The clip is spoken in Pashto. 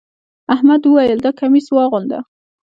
احمد وويل: دا کميس واغونده.